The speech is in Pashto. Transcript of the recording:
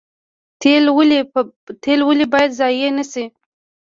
تیل ولې باید ضایع نشي؟